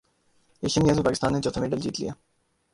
Asian games میں پاکستان نے چوتھا میڈل جیت لیا